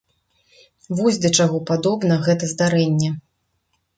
Вось да чаго падобна гэта здарэнне.